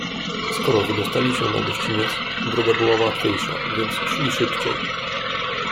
"Skoro wydostali się na gościniec, droga była łatwiejsza, więc szli szybciej."